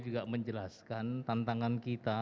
juga menjelaskan tantangan kita